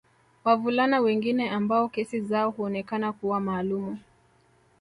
Wavulana wengine ambao kesi zao huonekana kuwa maalumu